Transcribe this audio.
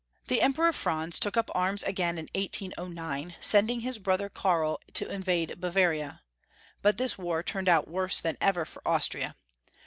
The Emperor Franz took up arms again in 1809, sending his brother Karl to invade Bavaria ; but this war turned out worse than ever for Austria.